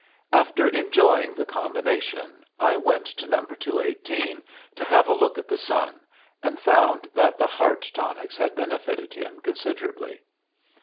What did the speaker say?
After enjoying the combination, I went to No. 218 to have a look at the son, and found that the heart tonics had benefited him considerably.